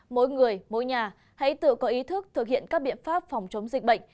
mỗi người mỗi nhà hãy tự có ý thức thực hiện các biện pháp phòng chống dịch bệnh